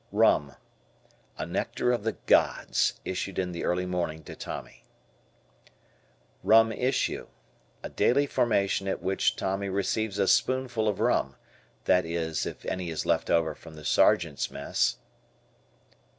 Rum. A nectar of the gods issued in the early morning to Tommy. Rum issue. A daily formation at which Tommy receives a spoonful of rum; that is if any is left over from the Sergeant's Mess.